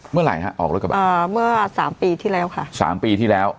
เมื่อไหร่ฮะออกรถกระบะอ่าเมื่อสามปีที่แล้วค่ะสามปีที่แล้ว